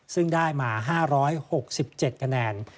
ซึ่งได้มา๕๖๗คะแนน